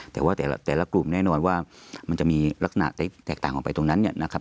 แต่ว่าแต่ละกลุ่มแน่นอนว่ามันจะมีลักษณะแตกต่างออกไปตรงนั้นเนี่ยนะครับ